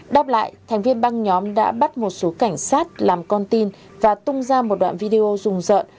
đáp lại thành viên băng nhóm đã bắt một số cảnh sát làm con tin và tung ra một đoạn video rùng rợn